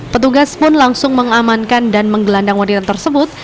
petugas pun langsung mengamankan dan menggelandang wanita tersebut